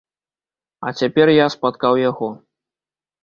А цяпер я спаткаў яго.